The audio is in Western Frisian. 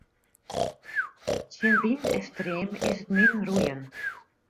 Tsjin wyn en stream is 't min roeien.